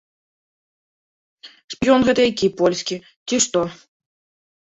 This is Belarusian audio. Шпіён гэта які польскі, ці што?